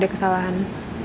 divisi kamu kalau bisa